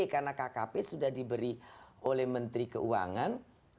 karena kkp sudah diberi oleh menteri keuangan